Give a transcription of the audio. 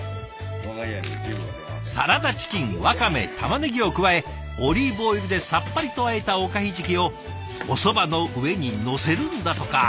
サラダチキンわかめたまねぎを加えオリーブオイルでさっぱりとあえたおかひじきをおそばの上にのせるんだとか。